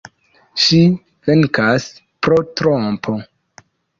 Ŝi venkas pro trompo.